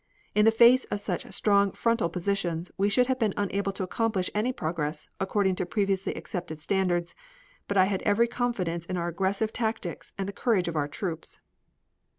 In the face of such strong frontal positions we should have been unable to accomplish any progress according to previously accepted standards, but I had every confidence in our aggressive tactics and the courage of our troops.